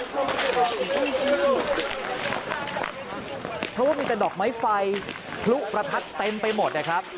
เพราะว่ามีแต่ดอกไม้ไฟพลุประทัดเต็มไปหมดนะครับ